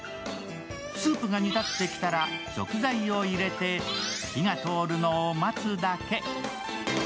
スープが煮立ってきたら食材を入れて火が通るのを待つだけ。